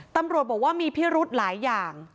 ตำรวจบอกว่ามีพิรุธหลายอย่าง